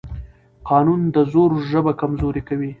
قانون د زور ژبه کمزورې کوي